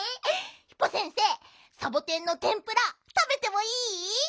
ヒポ先生サボテンのてんぷらたべてもいい？